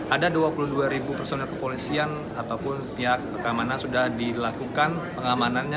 ada dua puluh dua ribu personil kepolisian ataupun pihak keamanan sudah dilakukan pengamanannya